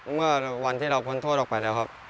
เมื่อวันที่เราพ้นโทษออกไปแล้วครับ